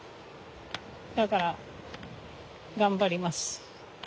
だから頑張ります。